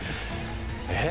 えっ？